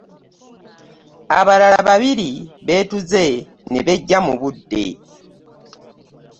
Abalala babiri beetuze ne beggya mu budde.